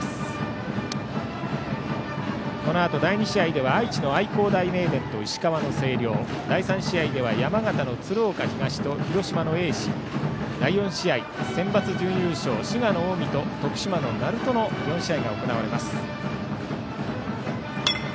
このあと第２試合では愛知の愛工大名電と石川の星稜第３試合では山形の鶴岡東と広島の盈進第４試合、センバツ準優勝滋賀の近江と徳島の鳴門の４試合が行われます。